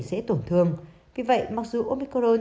dễ tổn thương vì vậy mặc dù omicron